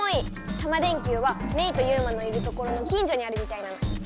タマ電Ｑはメイとユウマのいるところの近じょにあるみたいなの！